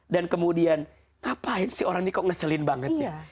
dan kemudian ngapain si orang ini kok ngeselin banget ya